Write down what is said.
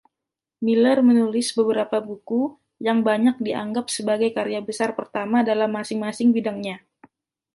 Miller menulis beberapa buku, yang banyak dianggap sebagai karya besar pertama dalam masing-masing bidangnya.